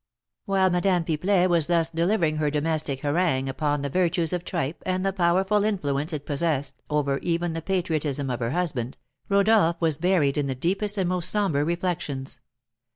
While Madame Pipelet was thus delivering her domestic harangue upon the virtues of tripe and the powerful influence it possessed over even the patriotism of her husband, Rodolph was buried in the deepest and most sombre reflections.